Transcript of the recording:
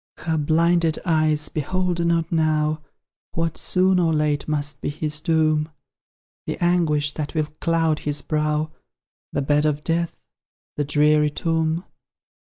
Her blinded eyes behold not now What, soon or late, must be his doom; The anguish that will cloud his brow, The bed of death, the dreary tomb.